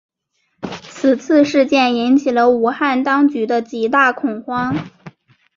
此次事件引起了武汉当局的极大恐慌。